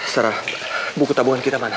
serah buku tabungan kita mana